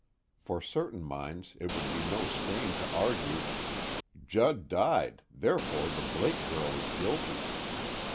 For certain minds it would be no strain to argue: _Judd died, therefore the Blake girl is guilty.